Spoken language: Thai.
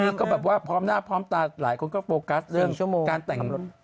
นี่ก็แบบว่าพร้อมหน้าพร้อมตาหลายคนก็โฟกัสเรื่องการแต่งรถ